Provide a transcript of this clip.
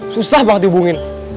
susah banget dihubungin